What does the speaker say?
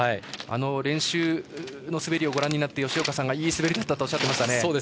練習の滑りをご覧になって吉岡さんがいい滑りだったとおっしゃっていましたね。